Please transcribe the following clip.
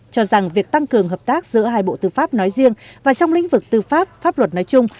cho rằng việc tăng cường hợp tác giữa hai bộ tư pháp nói riêng và trong lĩnh vực tư pháp pháp luật nói chung